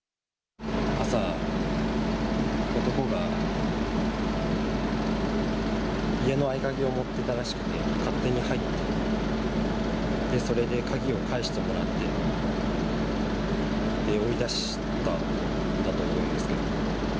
朝、男が家の合鍵を持ってたらしくて、勝手に入ってきて、で、それで鍵を返してもらって、追い出したんだと思いますけど。